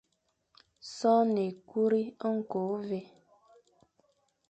Son ékuri, ñko, ôvè,